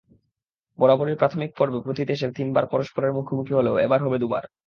বরাবরই প্রাথমিক পর্বে প্রতি দেশ তিনবার পরস্পরের মুখোমুখি হলেও এবার হবে দুবার।